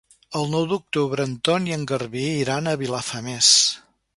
El nou d'octubre en Ton i en Garbí iran a Vilafamés.